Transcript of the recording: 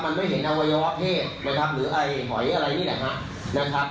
มันไม่เห็นอวัยวะเพศหรือหอยอะไรนี่นะครับ